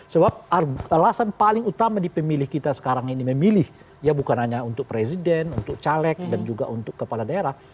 sebab alasan paling utama di pemilih kita sekarang ini memilih ya bukan hanya untuk presiden untuk caleg dan juga untuk kepala daerah